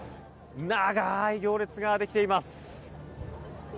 長い行列ができています。